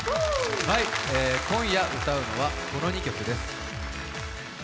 はい、今夜歌うのはこの２曲です。